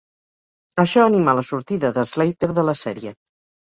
Això anima la sortida de Slater de la sèrie.